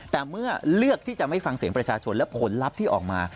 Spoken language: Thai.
แต่เมื่อเลือกที่จะไม่ฟังเสียงประชาชนและผลลัพธ์ที่ออกมา